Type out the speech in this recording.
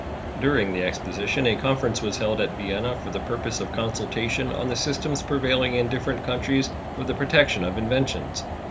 During the exposition a conference was held at Vienna for the purpose of consultation on the systems prevailing in different countries for the protection of inventions.